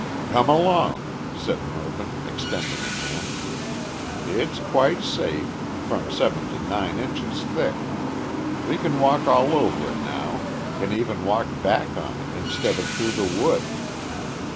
"Come along," said Mervyn extending a hand. "It's quite safe from seven to nine inches thick. We can walk all over it now, can even walk back on it instead of through the wood."